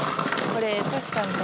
これ。